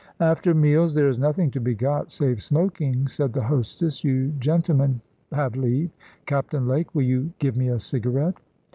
"After meals, there is nothing to be got, save smoking," said the hostess; "you gentlemen have leave. Captain Lake, will you give me a cigarette?"